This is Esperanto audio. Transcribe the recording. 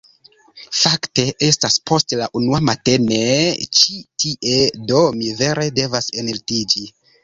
Fakte estas post la unua matene ĉi tie, do mi vere devas enlitiĝi.